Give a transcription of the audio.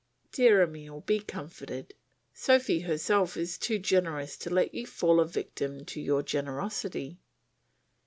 Dear Emile, be comforted; Sophy herself is too generous to let you fall a victim to your generosity.